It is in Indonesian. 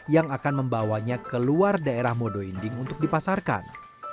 yang akan membawanya ke luar daerah modo inding untuk dipasarkan